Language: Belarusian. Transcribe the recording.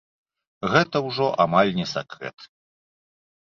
Гэта ўжо амаль не сакрэт.